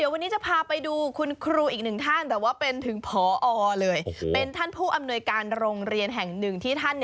วันนี้จะพาไปดูคุณครูอีกหนึ่งท่านแต่ว่าเป็นถึงพอเลยเป็นท่านผู้อำนวยการโรงเรียนแห่งหนึ่งที่ท่าน